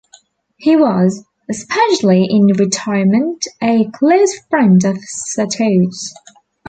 He was, especially in retirement, a close friend of Satow's.